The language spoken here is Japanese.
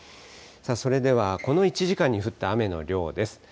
それでは、この１時間に降った雨の量です。